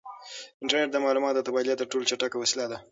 انټرنیټ د معلوماتو د تبادلې تر ټولو چټکه وسیله ده.